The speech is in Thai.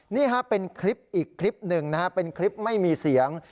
นี่ฮะเป็นคลิปอีกคลิปหนึ่งนะฮะเป็นคลิปไม่มีเสียง